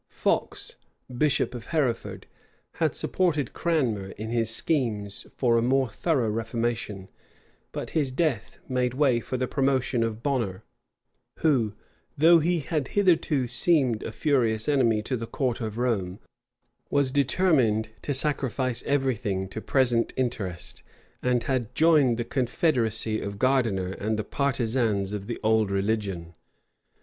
Fox, bishop of Hereford, had supported Cranmer in his schemes for a more thorough reformation; but his death had made way for the promotion of Bonner, who, though he had hitherto seemed a furious enemy to the court of Rome, was determined to sacrifice every thing to present interest, and had joined the confederacy of Gardiner and the partisans of the old religion.